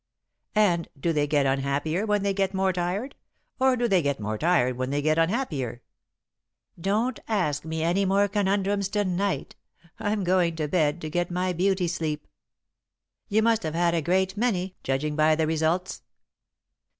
And do they get unhappier when they get more tired, or do they get more tired when they get unhappier?" [Sidenote: The Arrival] "Don't ask me any more conundrums to night. I'm going to bed, to get my beauty sleep." "You must have had a great many, judging by the results."